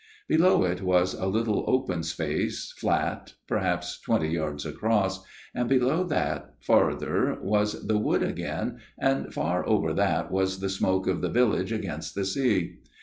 Below it was a little open space, 42 A MIRROR OF SHALOTT flat, perhaps twenty yards across, and below that yet farther was the wood again, and far over that was the smoke of the village against the sea.